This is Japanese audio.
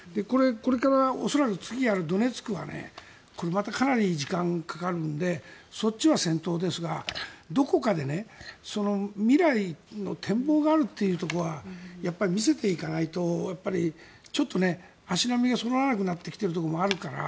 これから恐らく次やるドネツクはこれ、またかなり時間がかかるのでそっちは戦闘ですがどこかで未来の展望があるということはやっぱり見せていかないとちょっと足並みがそろわなくなってきているところもあるから。